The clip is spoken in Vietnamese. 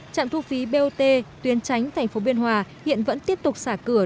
trạm thu phí bot tuyến tránh thành phố biên hòa hiện vẫn tiếp tục xả cửa